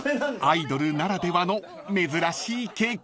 ［アイドルならではの珍しい経験］